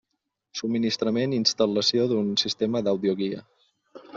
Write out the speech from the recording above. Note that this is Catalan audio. Subministrament i instal·lació d'un sistema d'àudio guia.